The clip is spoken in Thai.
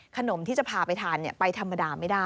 ขนมที่จะพาไปทานไปธรรมดาไม่ได้